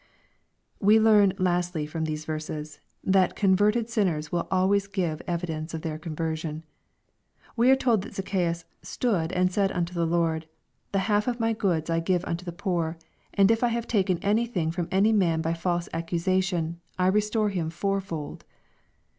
We learn, lastly, from these verses, that converted sin i ners will always give evidence of their conversion. We are told that Zacchaaus " stood, and said unto the Lord, the half of my goods I give unto the poor ; and if I have taken anything from any man by false accusation, I re store him fourfold."